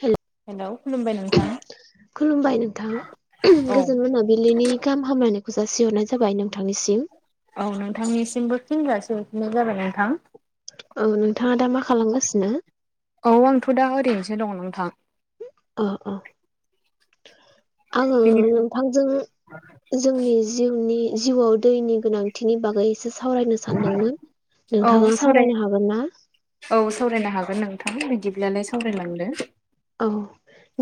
हेल' hello खुलुमबाय नोंथां खुलुमबाय नोंथां औ गोजोनमोनाम बिलिनि गाहाम हामलायनायखौ जासिहरनाय जाबाय नोंथांनिसिम औ नोंथांनिसिमबो फिनगाासोफिननाय जाबाय नोंथां औ नोंथाङा दा मा खालामगासिनो औ आंथ' दा ओरैनोसो दङ नोंथां ओम ओम आङो बेनिफ्राय नोंथांजों जोंनि जिउनि जिउआव दैनि गोनांथिनि बागै एसे सावरायनो सानदोंमोन औ नोंथाङा सावराय सावरायनो हागोन ना औ सावरायनो हागोन नोंथां बिदिब्लालाय सावरायलांदो औ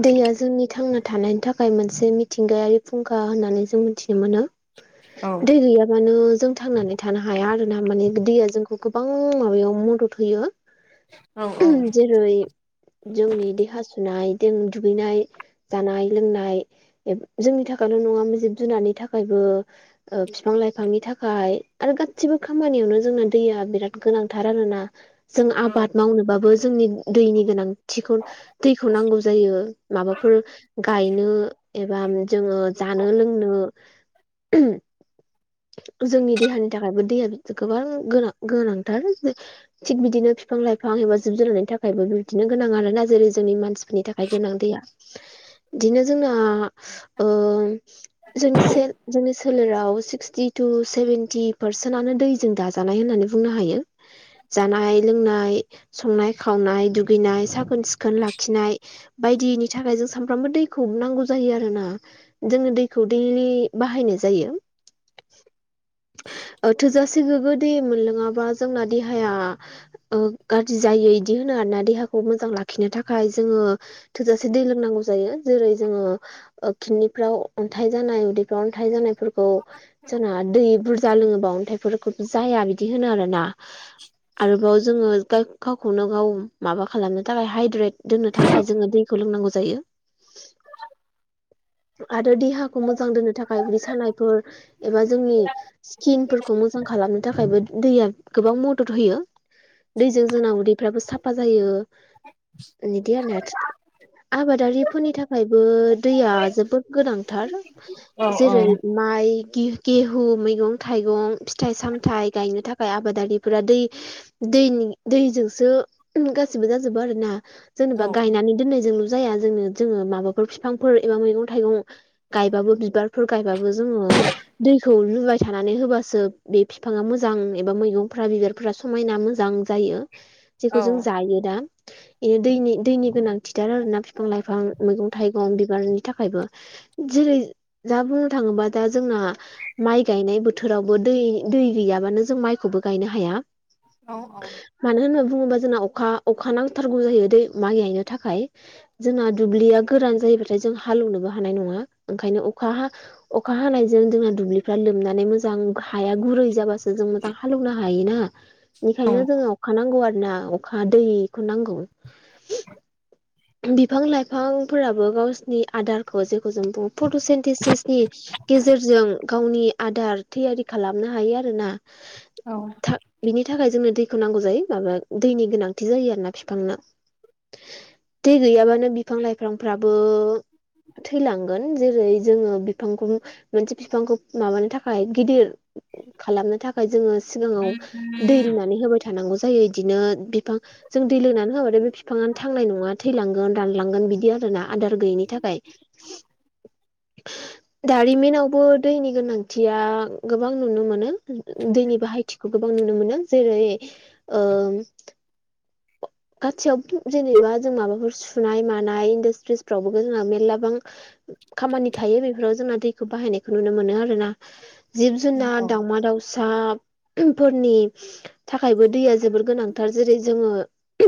दैया जोंनि थांना थानायनि थाखाय मोनसे मिथिंगायारि फुंखा होननानै जों मिथिनो मोनो औ दै गैया मान जोंथ थांनानै थानो हाया आर ना माने दैया जोंखौ गोबां माबायाव मदद होयो औ जेरै जोंनि देहा सुनायजों दुगैनाय जानाय लोंनाय जोंनि थाखायल' नङामोन जिब जुनारनि थाखायबो बिफां लाइफांनि थाखाय आरो गासिबो खामानियावनो जोंना दैया बिराद गोनांथार आरोना जों आबाद औ मावनोबाबो जोंनि दैनि गोनांथिखौ दैखौ नांगौ जायो माबाफोर गायनो एबा जोङो जानो लोंनो जोंनि देहानि थाखायबो दैया गोबां गोनां गोनांथार थिग बिदिनो बिफां लाइफां एबा जिब जुनारनि थाखायबो बिदिनो गोनां आरो ना जेरै जोंनि मानसिफोरनि थाखाय गोनां दैया बिदिनो जोंना जोंनि जोंनि सोलेराव सिक्सटि टु सेभेेनटि पारसेन्टनो दैजों दाजा जानाय होननानै बुंनो हायो जानाय लोंनाय संनाय खावनाय दुगैनाय साखोन सिखोन सिखोन लाखिनाय बायदिनि थाखाय जों सानफ्रामबो दैखौ नांगौ जायो आरो ना जोङो दैखौ दैलि बाहायनाय जायो थोजासे गोग्गो दैे मोनलोङाबा जोंना देहाया गाज्रि जायो इदि होनो आरोना देहाखौ मोजां लाखि खिनो थाखाय जोङो थोजासे दै लोंनांगौ जायो जेरै जोङो खिनिफ्राव अन्थाइ जानाय उदैफ्राव अन्थाइ जानायफोरखौ जोंना दै बुरजा लोङोबा अन्थाइफोरखौबो जाया बिदि होनो आरोना आरोबाव जोङो गावखौनो गाव माबा खालामनो थाखाय हाइद्रेट दोननो थाखाय जोङो दैखौ लोंनांगौ जायो आरो देहाखौ मोजां दोननो थाखाय बिदि सानायफोर एबा जोंनि स्किनफोरखौ मोजां खालामनो थाखायबो दैया गोबां मदद होयो दैजों जोंना उदैफ्राबो साफा जायो औ बिदि आरो न आबादारिफोरनि थाखाय थाखायबो दैया जोबोद गोनांथार औ जेरै माइ गेहु मैगं थाइगं फिथाइ सामथाइ गायनो थाखाय आबादारिफोरा दै दैनि दैजोंसो गाससिबो जाजोबो आरो ना जेनेबा औ गायनानै दोननायजोंल' जाया जोंनो जोङो माबाफोर बििफांफोर एबा मैगं थाइगं गायबाबो बिबारफोर गायबाबो जोङो दैखौ लुबाय थानानै होबासो बे बिफाङा मोजां एबा मैगंफ्रा बिबार फ्रा समायना मोजां जायो औ जेखौ जों जायो दा बिदि दैनि दैनि गोनांथिथार आरोना बिफां-लाइफां मैगं थाइगं बिबारनि थाखायबो जेरै दा बुंनो थाङोबा दा जोंना माइ गायनाय बोथोरावबो दै दै गैयाबानो जों माइखौबो गायनो हाया। औ औ मानो होना बुङोब्ला जोंना अखा अखा नांथारगौ जायो दै माइ गायनो थाखाय जोंना दुब्लिया गोरान जायोबथाय जों हालेवनोबो हानाय नङा ओंखायनो अखा हा अखा हानायजों जोंना दुब्लिफ्रा लोमनानै मोजां हाया गुरै जाबासो जों बबा हालेवनो हायोना बेनिखायनो जोंङो अखा नांगौ आरो ना अखा दैखौ नांगौ। बिफां-लाइफांफोराबो गावसिरनि आदारखौ जेखौ जों बुङो फट'सेन्टिसिसनि गेजेरजों गावनि आदार थैयारि खालामनो हायो आरोना औ बिनि थाखाय जोंनो दैखौ नांगौ जायो माबा दैनि गोनांथि जायो आरो ना बिफांनो दै गैयाबानो बिफां लाइफांफ्राबो थैलांगोन जेरै जोङो बिफांखौ मोनसे बिफांखौ माबानो थाखाय गिदिर खालामनो थाखाय जोङो सिगाङाव दै लुनानै होबाय थानांगौ जायो इदिनो बिफां जों दै लोंनानै होआबाथाय बे बिफांङानो थांनाय नङा बि आरोना आदार गैनि थाखाय दारिमिनावबो दैनि गोनांथिया गोबां नुनो मोनो। दैनि बाहायथिखौ गोबां नुनो मोनो जेरै ओ खाथियाव जेनेबा जों माबाफोर सुनाय मानाय इन्डासट्रिसफ्रावबो जोंना मेरलाबां खामानि थायो बेफोराव जोंना दैखौ बाहायनायखौ नुनो मोनो आरो ना जिब-जुनार' दावमा-दावसाफोरनि थाखायबो दैया जोबोर गोनांथार जेरै जोङो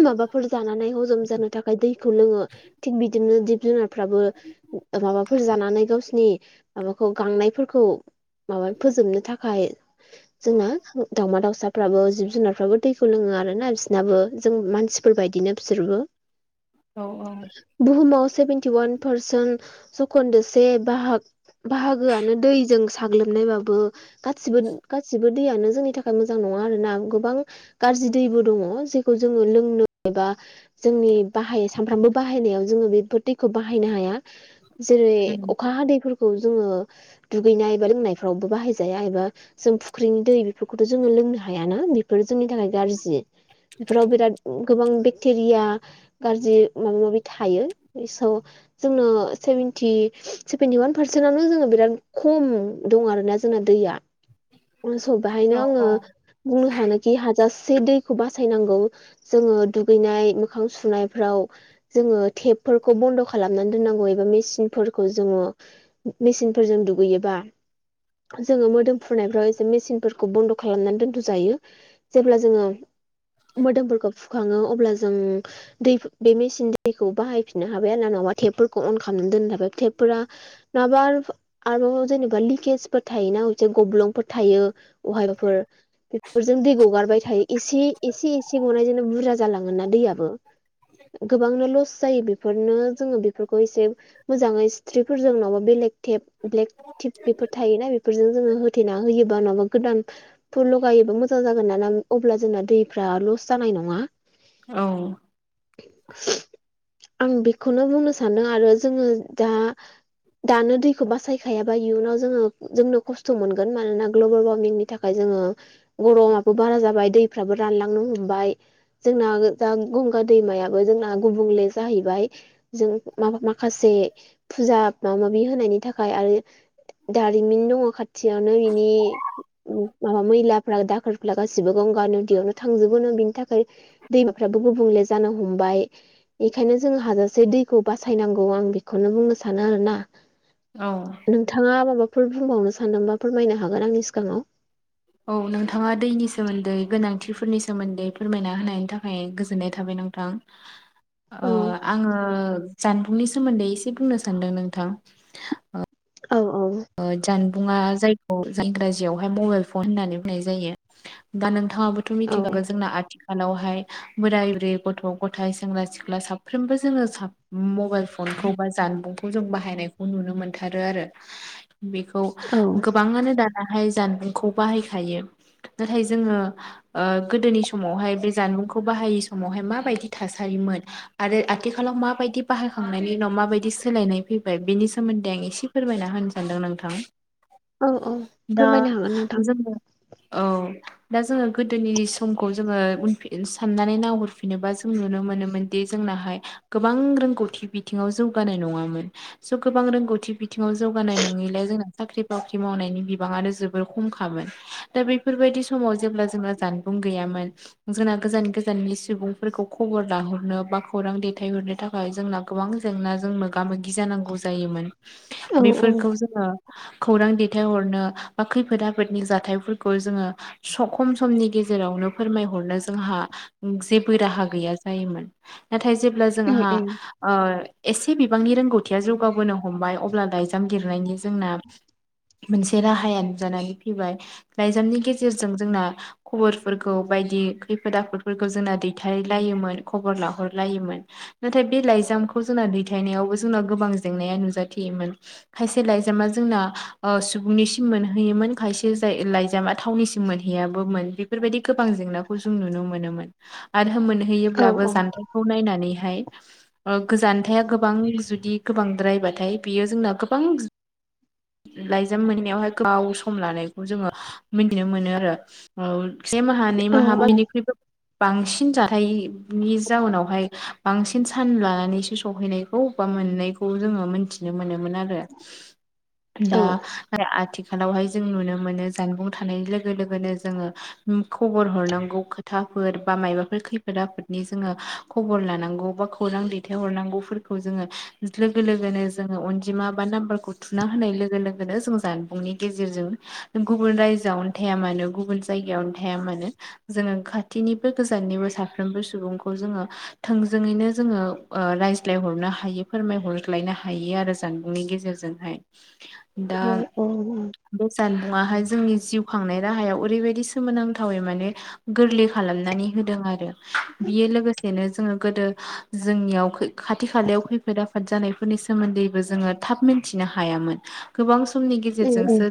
माबाफोर जानानै हजम जानो थाखाय दैखौ लोङो थिग बिदिनो जिब-जुनार फोराबो माबाफोर जानानै गावसिनि माबाखौ गांनायफोरखौ माबा फोजोबनो थाखाय जोंनो दावमा दाउसाफ्राबो जिब-जुनारफ्राबो दैखौ लोङो आरो ना बिसिनाबो जों मानसिफोरबायदिनो बिसोरबो औ बुहुमाव सेभेेनटि वान पारसेन् सखोनदोसे बाहागोआनो दैजों साग्लोबनायबाबो गासिबो गासिबो दैयानो जोंनि थाखाय मोजां नङा आरो ना गोबां गाज्रि दैबो दङ। ओ जोङो लोंनो एबा जोंनि बाहाय सानफ्रामबो बाहायनायाव जोङो बेफोर दैखौ बाहायनो हाया जेरै अखा हादैफोर खौ जोङो दुगैनाय एबा लोंनायफ्रावबो बाहायजाया एबा जों फुख्रिनि दै बेफोरखौथ' जोङो लोंनो हायाना बेफोरो जोंनि थाखाय गाज्रि बेफोराव बिराद गोबां बेक्टेरिया गाज्रि माबा माबि थायो इसआव जोंनो सेभेेनटि सेभेेनटि वान पारसेन्टवनो जोङो बिराद खम दं आरोना जोंना दैया उनस' बेहायनो आङो बुंनो सानोखि हाजासे दैखौ बास सायनांगौ जोङो दुगैनाय मोखां सुनायफ्राव जोङो टेपफोरखौ बन्द' खालामनानै दोननांगौ एबा मेसिनफोरखौ जोङो मेसिनफोरजों दुगैयोबा जोङो मोदोम फुरनायफ्राव एसे मेसिनफोरखौ बन्द' खालामनानै दोनथ' जायो। जेब्ला जोङो मोदोमफोरखौ फुखाङो अब्ला जों दै बे मेसिन दैखौ बाहायफिननो हाबाय आरो न नङाबा टेपफोरखौ अन खालामनानै दोननो हाबाय टेबफोरा नाबाफ आरो जेनेबा लिकेजफोर थायोना हसे गब्लंफोर थायो। अहायबाफोर बेफोरजों दै गगारबाय थायो एसे एसे एसे गनायजोंनो बुरजा जालाङोन ना दैयाबो गोबांनो लस जायो बेफोरनो जोङो बेफोरखौ एसे मोजाङै स्थिरफोरजों नङाबा बेलेक टेब ब्लेक टिप बेफोर थायोना बे फोरजों जोङो होथेना होयोबा नङाबा गोदानफोर लगायोबा मोजां जागोन ना अब्ला जोंना दै फ्रा लस जानाय नङा। आं बेखौनो बुंनो सानो आरो जोङो दा दानो दैखौ बासायखायाबा इयुनाव जोङो जोंनो खस्थ' मोनगोन मानोना ग्लबेल वार्मिंनि थाखाय जोङो गर'माबो बारा जाबाय दैफ्राबो रानलांनो हमबाय। जोंना गो दा गंगा दैमायाबो जोंना गुबुंले जाहैबाय। जों मा - माखासे फुजा माबा - माबि होनायनि थाखाय आरो दारिमिन दङ खाथियावनो बिनि माबा मैला दाखोर फला गासिबो गंगा नदियावनो थांजोबोनो बिनि थाखाय दैमाफ्राबो गुबुंले जानो हमबाय बेखायनो जों हाजासे एसे दैखौ बासायनांगौ आं बेखौनो बुंनो सानो आरो ना। औ। नोंथाङा माबाफोर बुंबावनो सानदोंबा फोरमायनो हागोन आंनि सिगाङाव। औ नोंथाङा दैनि सोमोन्दै गोनांथिफोरनि सोमोन्दै फोरमायना होनायनि थाखाय गोजोननाय थाबाय नोंथां। [inaudible] ओ आङो जानबुंनि सोमोन्दै एसे बुंनो सान्दों नोंथां। औ - औ। ओ जानबुङा जायखौ इंराजियावहाय मबाइल फन होननानै बुंनाय जायो। बा नोंथाङाबोथ' औ मिथिखागोन जोंना आथि फानावहाय बोराय बुरै गथ' गथाय सेंग्रा सिख्ला साफ्रोमबो जोङो सा मबाइल फनखौ बा जानबुंखौ जों बाहायनायखौ नुनो मोनथारो आरो। ओम। बेखौ गोबाङानो दानाहाय जानबुंखौ बाहायखायो नाथाय जोङो ओ गोदोनि समावहाय बे जानबुंखौ बाहायि समावहाय माबायदि थासारिमोन? आरो आथिखालाव माबायदि बाहायखांनायनि उनाव माबायदि सोलायनाय फैबाय बिनि सोमोन्दै आं एसे फोरमायना होनस सानदों नोंथां औ दा फोरमायनो हागोन नोंथां जोङो औ। दा जोङो गोदोनि समखौ जोङो उनफिन साननानै नहरफिनोबा जों नुनो मोनोमोन। बि जोंनाहाय गोबां रोंगौथि बिथिङाव जौगानाय नङामोन। ज' गोबां रोंगौथि बिथिङाव जौ बानाय नङैलाय जोंना साख्रि - बाख्रि मावनायनि बिबाङानो जोबोर खमखामोन दा बेफोरबायदि समाव जेब्ला जोङो जाना बुं गैयामोन। जोंना गोजान गोजाननि सुबुंफोरखौ खबर लाहरनो बा खौरां दैथायहरनो थाख ओमफाय जोंना गोबां जेंनाजों मोगा मोगि जानांगौ जायो। मान औ औ बेफोरखौ जोङो खौरां दैथायहरनो बा खैफोद आफोदनि जाथायफोरखौ जोङो सखम समनि गेजेरावनो फोरमायहरनो जोंहा जेबो राहा गैया जायोमोन। नाथाय जेब्ला उम जोंहा उम ओ एसे बिबांनि रोंगौथिया जौगाबोनो हमबाय अब्ला दायो खाम लिरनायनि जोंना मोनसे राहायानो जानानै फैबाय। लाइजामनि गेजेरजों जोंना खबरफोरखौ बायदि खैफोद आफोदफोरखौ जोंना दैथारलायोमोन खबर लाहरलायोमोन। नाथाय बे लाइजामखौ जोंना दैथायनायावबो जोंना गोबां जेंनाया नुजाथियोमोन। खायसे लाइजामा जोंना ओ सुबुंनिसिम मोनहैयोमोन खायसे जाय लाइजामा थावनिसिम मोन हैयाबोमोन बेफोरबायदि गोबां जेंनाखौ जों नुनो मोनोमोन। आरो औ मोनहैयोब्लाबो औ जान्थाइखौ नायनानैहाय ओ गोजानथाया गोबां जुदि गोबांद्रायबाथाय बियो जोंना गोबां लाइजाम मोनैनायावहाय गाव सम लानायखौ जोङो मिथिनो मोनो आरो औ से माहानैै औ माहा बा बेनिख्रुइबो बांसिन जाथायनि जाउोनावहाय बांसिन सान लानानैसो सहैनाय बबेबा मोननैखौ जोङो मोनथिनो मोनोमोन आरो औ दा [unintelligible] आथिखालावहाय जों नुनो मोनो जानबुं थानायनि लोगो लोगोनो जोङो खबर हरनांगौ खोथाफोर बा मायबाफोर खैफोद आफोदनि जोङो खबर लानांगौ बा खौरां दैथायहरनांगौफोरखौ जोङो लोगो लोगोनो जोङो अनजिमा लोगोन ज जनि गेजेरजों गुब थाया मानो गुबुन जायगायावनो थाया मानो जोङो खाथिनिबो गोजाननिबो साफ्रोमबो सुबुंखौ जोङो थोंजोङैनो जोङो ओ रायज्लायहरनो हायो फोरमाय हरज्लायनो हायो आरो जान नि गेजेरजोंहाय दा उम उम बे जानबुङाहाय जोंनि जिउ खांनाय राहायाव ओरैबायदि सोमोनांथावै माने गोरलै खालामनानै होदों आरो बियो लोगोसे बेनो जोङो गोदो जोंनियाव खाथि खालायाव खैफोद आफोद जानायफोरनि सोमोन्दैबो जोङो थाब मिथिनो हायामोन गोबां समनि उम गेजेरजोंसो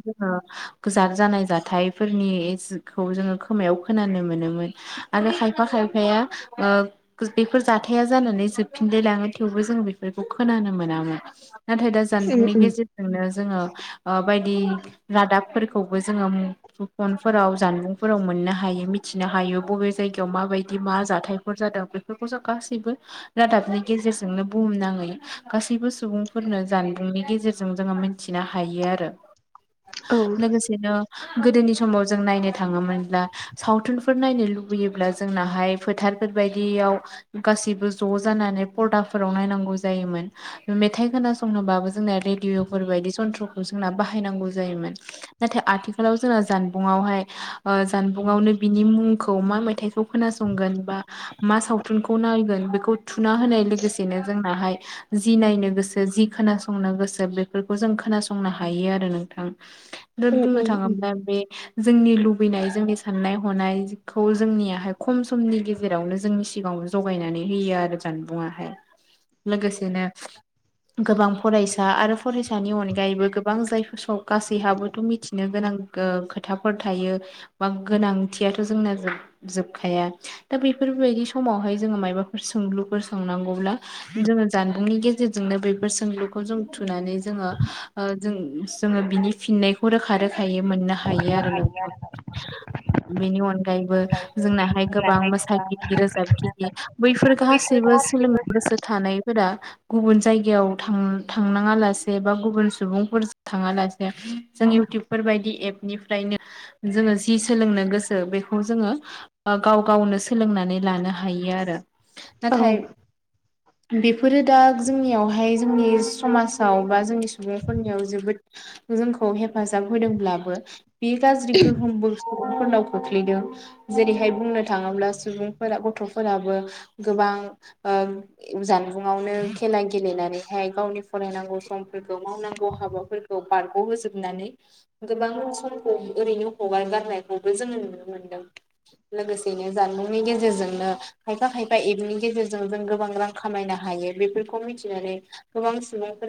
गोजार जानाय जाथायाइफोरनिखौ जोङो खोमायाव खोनानो मोनोमोन। आरो खायफा खायफाया बेफोर जाथाया जानानै जोबफिनलायलाङो थेवबो जों बेफोरखौ खोनानो मोनामोन। नाथाय दा जानबुंनि उम गेजेरजोंनो जोङो बायदि रादाबफोरखौबो जोङो मु [unintelligible] फोराव जानबुंफोराव मोननो हायो मिथिनो हायो बबे जायगायाव माबायदि मा जाथायफोर जादों बे बेफोरखौ जों गासैबो रादाबनि गेजेरजोंनो बुहुमनाङै गासैबो सुबुं फोरनो जानबुंनि गेजेरजों जोङो मिथिनो हायो आरो औ लोगोसेनो गोदोनि समाव जों नायनो थाङोमोनब्ला सावथुनफोर नायनो लुबैयोब्ला जोंनाहाय फोथारफोर बायदियाव गाससिबो ज' जानानै पदाफोराव नायनांगौ जायोमोन। मेथाइ खोनासंनोबाबो जोंना रेडिअफोर बायदि सन्थ्र'खौ जोंना बाहायनांगौ जायोमोन। नाथाय आथिखालाव जोंहा जानबुङावहाय जानबुङावनो बिनि मुंखौ मा मेथाइखौ खोनासंगोन बा मा सावथुनखौ नायगोन बेखौ थुना होनाय लोगोसेनो जोंनाहाय जि नायनो गोस जि खोनासंनो गोसो बेफोरखौ जों खोनासंनो हायो आरो नोंथां। दा उम बुंनो उम उम थाङोब्ला बे जोंनि लुबैनाय जोंनि साननाय हनायखौ जोंनियाहाय खम समनि गेजेरावनो जोंनि सिगाङाव जगायनानै होयो आरो जानबुङाहाय लोगोसेनो गोबां फरायसा आरो फरायसानि अनगायैबो गोबां जायफोर गासैहाबोथ' मिथिनो गोनां ओ खोथाफोर थायो बा गोनांथियाथ' जोंना जोब जोबखाया। दा बेफोरबायदि समावहाय जोङो मायबाफोर सोंलुफोर सोंनांगौब्ला जोङो जानबुंनि गेजेर जोंनो बेफोर सोंलुखौ जों थुनानै जोङो ओ जों जोङो बिनि फिनाय खौ रोखा रोखायै मोननो हायो आरो नोंखौ बेनि अनगायैबो जोंनाहाय गोबां मोसागिरि रोजाबगिरि बैफोर गासैबो सोलोंनो गोसो थानाय फोर गुबुन जायगायाव थांनाङा लासे बा गुबुन सुबुंफोर थाङालासे जों इउटुबफोर बायदि एपनिफ्रायनो जोङो जि सोलोंनो गोसो बेखौ जोङो गाव गावनो सोलोंनानै लानो हायो आरो। औ नाथाय बेफोरो दा जोंनियावहाय जोंनि समाजाव बा जोंनि सुबुंफोरनियाव जोबोद जोंखौ हेफाजाब होदोंब्लाबो बे गाज्रि गोहोमबो [unintelligible] जेरैहाय बुंनो थाङोब्ला सुबुंफोरा गथ'फोराबो गोबां ओ जानबुं नवावनो खेला गेलेनानैहाय गावनि फरायनांगौ समफोरखौ मावनांगौ हाबाफोरखौ बारग' होजोबनानै गोबां समखौ ओरैनो हगार गारनायखौबो जोङो नुनो मोनदों लोगोसेनो जानबुंनि गेजेरजोंनो खायफा खायफा एभनि गेजेरजों जों गोबां रां खामायनो हायो बेफोरखौ मिथिनानै गोबां सुबुंफोरा